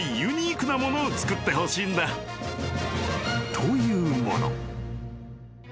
［というもの］